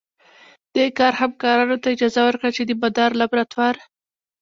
دې کار همکارانو ته اجازه ورکړه چې د مدار لابراتوار